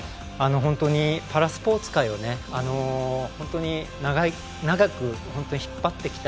本当にパラスポーツ界を本当に長く引っ張ってきた